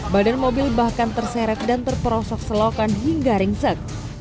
badan mobil bahkan terseret dan terperosok selokan hingga ringsek